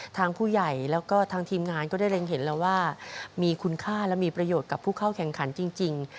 ทางผู้ใหญ่แล้วก็ทางทีมงานก็ได้เร็งเห็นแล้วว่ามีคุณค่าและมีประโยชน์กับผู้เข้าแข่งขันจริง